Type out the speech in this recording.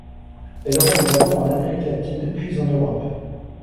Elle aura lieu d'abord en Amérique latine, puis en Europe.